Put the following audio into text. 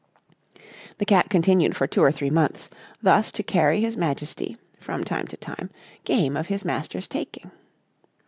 The Cat continued for two or three months, thus to carry his Majesty, from time to time, game of his master's taking.